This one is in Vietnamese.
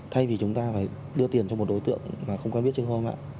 thay vì chúng ta phải đưa tiền cho một đối tượng mà không quen biết chứ không ạ